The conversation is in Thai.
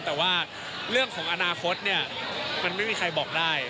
แต่ว่าเรื่องของอนาคตเนี่ยมันไม่มีใครบอกได้